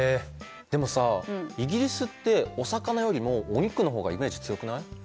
でもさイギリスってお魚よりもお肉の方がイメージ強くない？